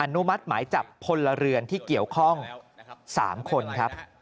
นุมัติหมายจับพลเรือนที่เกี่ยวข้อง๓คนครับ